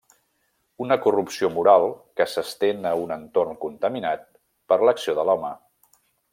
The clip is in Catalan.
Una corrupció moral que s'estén a un entorn contaminat per l'acció de l'home.